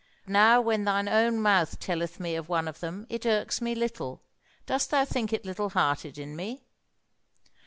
But now when thine own mouth telleth me of one of them it irks me little. Dost thou think it little hearted in me?"